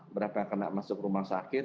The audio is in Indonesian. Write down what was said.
berapa yang kena masuk rumah sakit